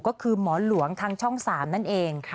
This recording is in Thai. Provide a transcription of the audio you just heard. ก็คือหมอหลวงทางช่อง๓นั่นเอง